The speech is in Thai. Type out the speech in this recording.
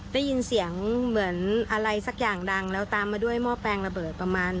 ได้ยินเสียงเหมือนอะไรสักอย่างดังแล้วตามมาด้วยหม้อแปลงระเบิดประมาณ